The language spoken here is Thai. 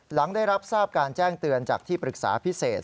หลังได้รับทราบการแจ้งเตือนจากที่ปรึกษาพิเศษ